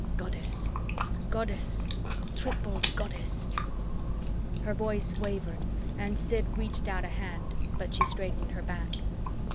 Goddess, Goddess, Triple Goddess "Her voice wavered and Sid reached out a hand, but she straightened her back.